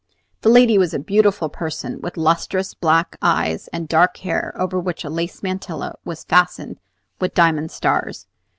The lady was a beautiful person, with lustrous black eyes and dark hair, over which a lace mantilla was fastened with diamond stars.